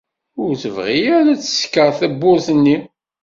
Ur tebɣi ara ad tsekkeṛ tewwurt-nni.